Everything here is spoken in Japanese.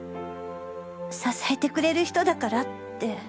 支えてくれる人だからって。